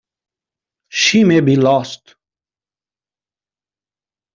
She may be lost.